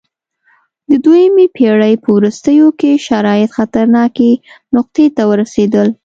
د دویمې پېړۍ په وروستیو کې شرایط خطرناکې نقطې ته ورسېدل